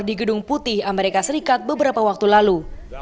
di gedung putih amerika serikat beberapa waktu lalu